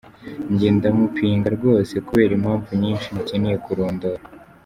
Njye ndamupinga rwose kubera impamvu nyinshi ntakeneye kurondora.